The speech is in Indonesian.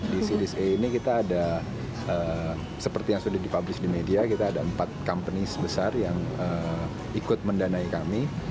di series a ini kita ada seperti yang sudah dipublish di media kita ada empat company sebesar yang ikut mendanai kami